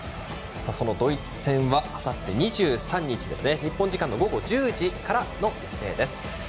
ドイツ戦はあさって２３日日本時間、午後１０時からの予定です。